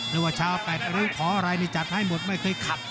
หรือว่าชาวแปดริ้วขออะไรนี่จัดให้หมดไม่เคยขัด